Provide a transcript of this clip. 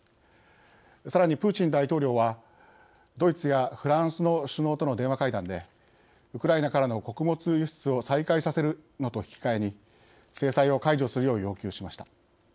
さらに、プーチン大統領はドイツやフランスの首脳との電話会談でウクライナからの穀物輸出を再開させるのと引き換えに制裁を解除するよう要求しました。